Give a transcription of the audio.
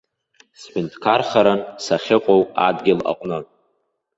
Сҳәынҭқархаран сахьыҟоу адгьыл аҟны.